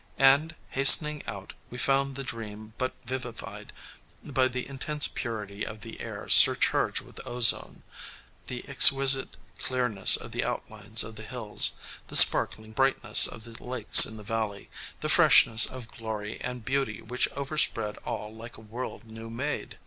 And, hastening out, we found the dream but vivified by the intense purity of the air surcharged with ozone, the exquisite clearness of the outlines of the hills, the sparkling brightness of the lakes in the valley, the freshness of glory and beauty which overspread all like a world new made.